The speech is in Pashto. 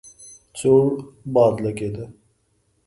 سوړ باد لګېده.